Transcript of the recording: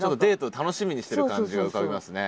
楽しみにしてる感じが浮かびますね。